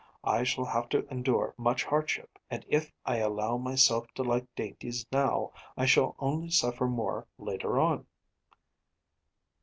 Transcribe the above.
I shall have to endure much hardship. And if I allow myself to like dainties now, I shall only suffer more later on.'